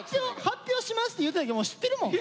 「発表します」って言うた時もう知ってるもん。